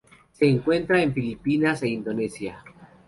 Se encuentra en Filipinas e Indonesia.